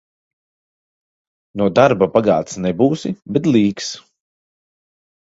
No darba bagāts nebūsi, bet līks.